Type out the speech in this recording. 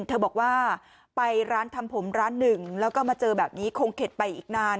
เธอบอกว่าไปร้านทำผมร้านหนึ่งแล้วก็มาเจอแบบนี้คงเข็ดไปอีกนาน